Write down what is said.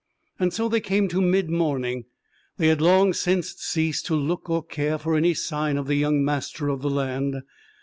And so they came to mid morning. They had long since ceased to look or care for any sign of the young master of the land.